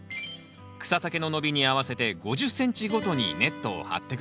草丈の伸びに合わせて５０ｃｍごとにネットを張って下さい